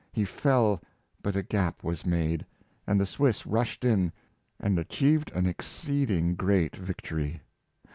He fell, but a gap was made, and the Swiss rushed in, and achieved an exceeding great victory.